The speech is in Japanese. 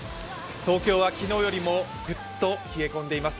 東京は昨日よりもぐっと冷え込んでいます。